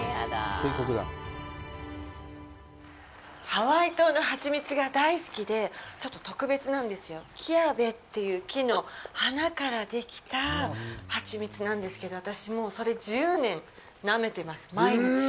ハワイ島のハチミツが大好きで、ちょっと特別なんですよ、キアヴェという木の花からできたハチミツなんですけど、私、もう、それ、１０年、なめてます、毎日。